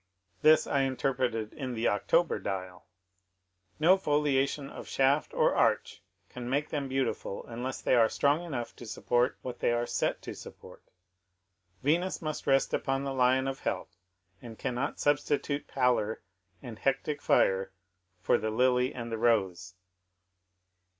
This I interpreted in the October "Dial:" "No foliation of shaft or arch can make them beautiful unless they are strong enough to support what they are set to support. Venus must rest upon the lion of health, and cannot substitute pallor and hectic fire for the lily and the rose.